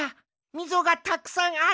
みぞがたくさんある！